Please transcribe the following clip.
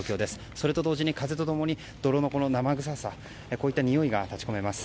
それと同時に風と共に泥の生臭さこういったにおいが立ち込めます。